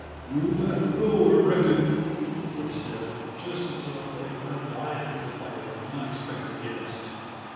"We'll have t' go, I reckon," they said, just as though they weren't dying to play the unexpected guest.